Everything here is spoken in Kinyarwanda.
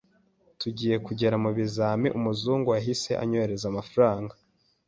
Tugiye kugera mu bizami umuzungu yahise anyoherereza amafaranga